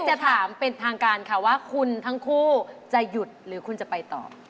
จะถามเป็นทางการค่ะว่าคุณทั้งคู่จะหยุดหรือคุณจะไปต่อ